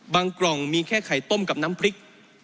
กล่องมีแค่ไข่ต้มกับน้ำพริก